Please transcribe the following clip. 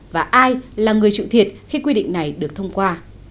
và ai là người chịu thiệt khi quy định này được thông qua